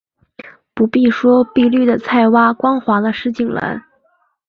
不必说碧绿的菜畦，光滑的石井栏